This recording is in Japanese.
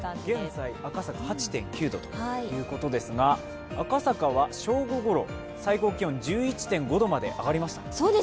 現在、赤坂８．９度ということですが、赤坂は正午ごろ、最高気温が１１．５度まで上がりました。